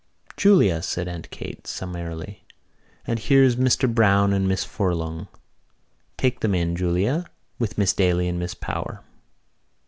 "Julia," said Aunt Kate summarily, "and here's Mr Browne and Miss Furlong. Take them in, Julia, with Miss Daly and Miss Power."